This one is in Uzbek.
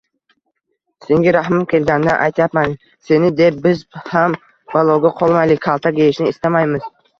Senga rahmim kelganidan aytyapman. Seni deb biz ham baloga qolmaylik. Kaltak yeyishni istamaymiz.